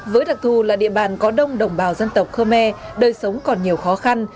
với đặc thù là địa bàn có đông đồng bào dân tộc khmer đời sống còn nhiều khó khăn